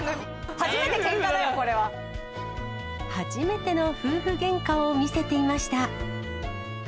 初めてけんかだよ、これは。初めての夫婦げんかを見せていました。